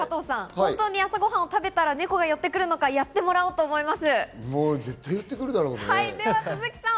本当に朝ご飯を食べたら猫が寄ってくるのか、今日やっていただこうと思います。